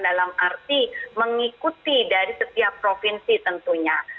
dalam arti mengikuti dari setiap provinsi tentunya